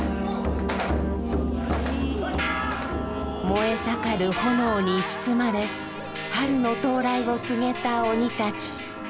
燃えさかる炎に包まれ春の到来を告げた鬼たち。